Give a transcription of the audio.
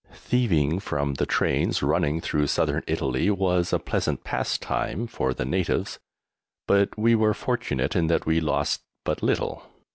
Thieving from the trains running through Southern Italy was a pleasant pastime for the natives, but we were fortunate in that we lost but little.